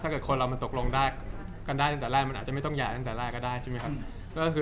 แต่ถ้าคนเรามันตกลงได้ตั้งแต่แรกแล้วมันอาจไม่ต้องหลักตั้งแต่แรก